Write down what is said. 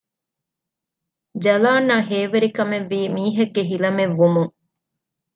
ޖަލާންއަށް ހޭވެރިކަމެއްވީ މީހެއްގެ ހިލަމެއްވުމުން